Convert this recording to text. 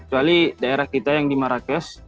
kecuali daerah kita yang di marrakesh